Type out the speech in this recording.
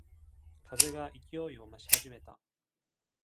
風が勢いを増し始めた。